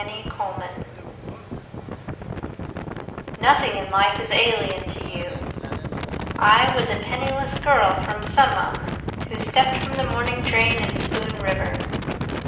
Ida Frickey Nothing in life is alien to you: I was a penniless girl from Summum Who stepped from the morning train in Spoon River.